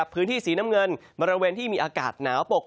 พื้นที่สีน้ำเงินบริเวณที่มีอากาศหนาวปก